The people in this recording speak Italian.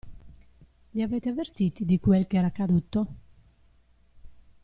Li avete avvertiti di quel che era accaduto?